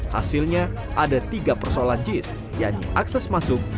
hasilnya ada tiga persoalan jis yakni akses masuk